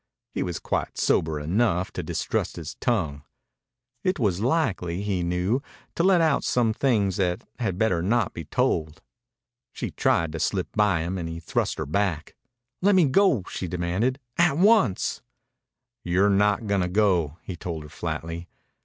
He was quite sober enough to distrust his tongue. It was likely, he knew, to let out some things that had better not be told. She tried to slip by him and he thrust her back. "Let me go!" she demanded. "At once!" "You're not gonna go," he told her flatly.